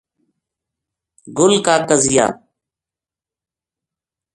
گل کا قضیہ